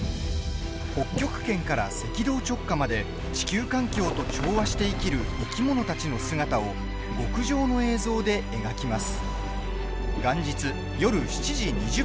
北極圏から赤道直下まで地球環境と調和して生きる生き物たちの姿を極上の映像で描きます。